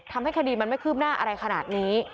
ทำให้คดีมันไม่คืบหน้าอะไรขนาดนี้